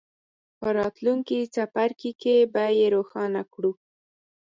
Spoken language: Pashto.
په راتلونکي څپرکي کې به یې روښانه کړو.